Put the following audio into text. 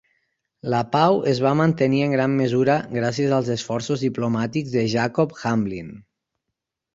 La pau es va mantenir en gran mesura gràcies als esforços diplomàtics de Jacob Hamblin.